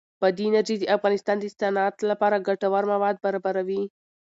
بادي انرژي د افغانستان د صنعت لپاره ګټور مواد برابروي.